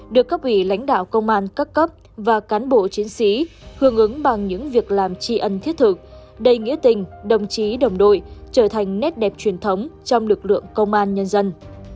được cấp ủy lãnh đạo công an các cấp và cán bộ chiến sĩ hưởng ứng bằng những việc làm tri ân thiết thực đầy nghĩa tình đồng chí đồng đội trở thành nét đẹp truyền thống trong lực lượng công an nhân dân